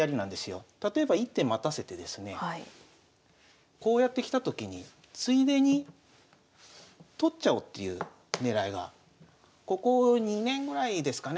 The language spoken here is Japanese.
例えば１手待たせてですねこうやってきたときについでに取っちゃおうっていう狙いがここ２年ぐらいですかね